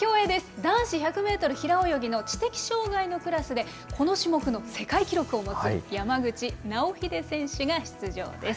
男子１００メートル平泳ぎの知的障害のクラスで、この種目の世界記録を持つ、山口尚秀選手が出場です。